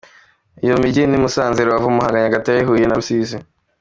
Iyo mijyi ni Musanze, Rubavu, Muhanga, Nyagatare, Huye na Rusizi.